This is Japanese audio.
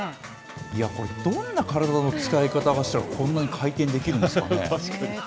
いや、これどんな体の使い方をしたら、こんなに回転できるんですかね。